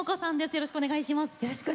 よろしくお願いします。